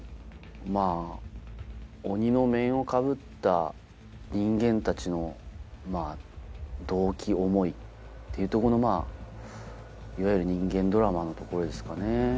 まぁ鬼の面をかぶった人間たちの動機思いっていうとこのいわゆる人間ドラマのところですかね。